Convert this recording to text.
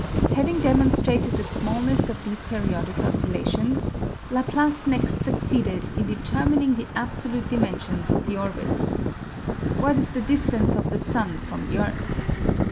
Having demonstrated the smallness of these periodic oscillations, Laplace next succeeded in determining the absolute dimensions of the orbits. What is the distance of the sun from the earth?